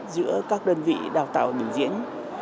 giữa các đơn vị đào tạo bình diễn